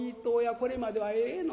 これまではええの。